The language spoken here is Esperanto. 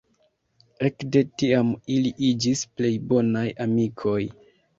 Ekde tiam ili iĝis plej bonaj amikoj.